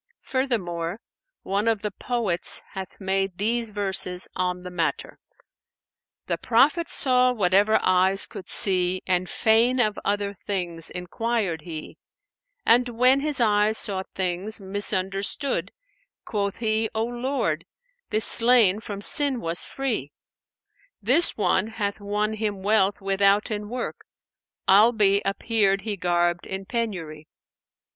Furthermore, one of the poets hath made these verses on the matter, "The Prophet saw whatever eyes could see, * And fain of other things enquired he; And, when his eyes saw things misunderstood, * Quoth he, 'O Lord, this slain from sin was free. This one hath won him wealth withouten work; * Albe appeared he garbed in penury.